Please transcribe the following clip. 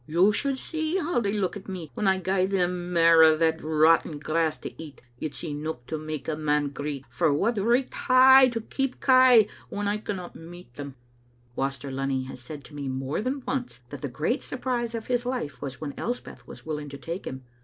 You should see how they look at me when I gie them mair o' that rotten grass to eat. It's eneuch to mak a man greet, for what richt hae I to keep kye when I canna meat them?" Waster Lunny has said to me more than once that the great surprise of his life was when Elspeth was willing to take him.